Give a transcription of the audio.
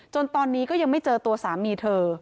จนตอนนี้ก็ยังไม่เจอตัวสามีเธอ